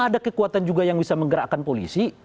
ada kekuatan juga yang bisa menggerakkan polisi